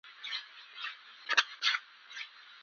اوبه د ښارونو ژوند جاري ساتي.